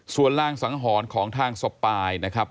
ส่วนรางสังหรณ์ของทางสปายนะครับ